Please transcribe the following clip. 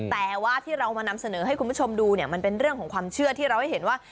แต่ว่าที่เรามานำเสนอให้คุณผู้ชมดูเนี่ยมันเป็นเรื่องของความเชื่อที่เราให้เห็นว่า